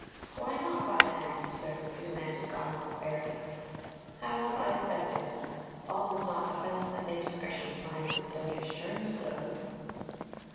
"Why not by the hand, sir?" demanded Goneril arrogantly. "How have I offended? All is not offence that indiscretion finds and dotage terms so."